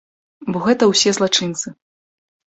Бо гэта ўсе злачынцы.